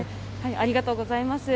ありがとうございます。